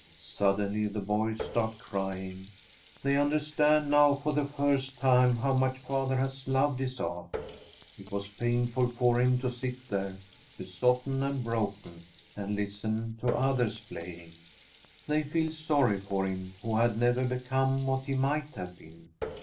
Suddenly the boys start crying. They understand now for the first time how much father has loved his art. It was painful for him to sit there, besotten and broken, and listen to others playing. They feel sorry for him who had never become what he might have been.